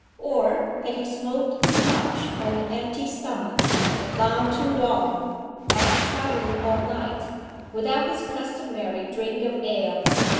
Or had he smoked too much on an empty stomach, and gone too long (after traveling all night) without his customary drink of ale?